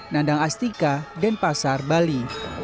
nandang astika dan pasar bali